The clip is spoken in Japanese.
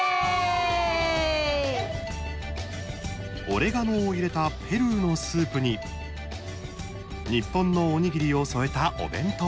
オレガノを入れたペルーのスープに日本のおにぎりを添えたお弁当。